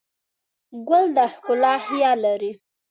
ګل د ښکلا خیال لري.